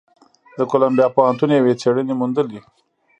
د کولمبیا پوهنتون یوې څېړنې موندلې،